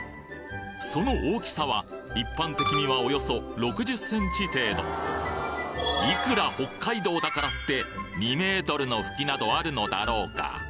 その大きさは一般的にはおよそいくら北海道だからって２ｍのフキなどあるのだろうか？